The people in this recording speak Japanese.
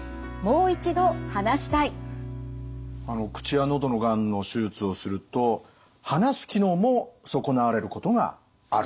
口や喉のがんの手術をすると話す機能も損なわれることがあると。